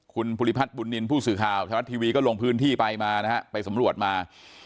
คุณภูริพัฒน์บุญนินทร์ผู้สื่อข่าวไทยรัฐทีวีก็ลงพื้นที่ไปมานะฮะไปสำรวจมา